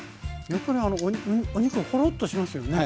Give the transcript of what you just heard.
やっぱりお肉がほろっとしますよね。